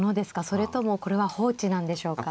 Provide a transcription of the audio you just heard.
それともこれは放置なんでしょうか。